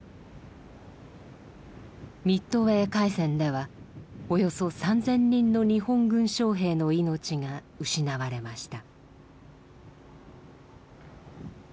ミッドウェー海戦ではおよそ３，０００人の日本軍将兵の命が失われました。